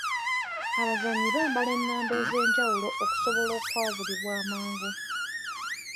Abazannyi bambala ennamba ez'enjawulo okusobola okwawulibwa amangu.